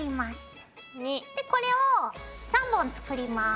でこれを３本作ります。